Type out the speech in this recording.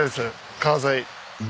川沿い。